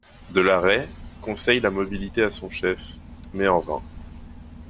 De la Rey conseille la mobilité à son chef, mais en vain.